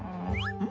うん。